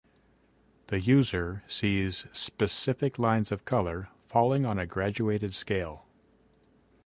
The user sees specific lines of colour falling on a graduated scale.